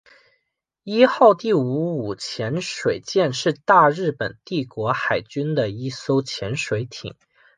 伊号第五五潜水舰是大日本帝国海军的一艘潜水艇。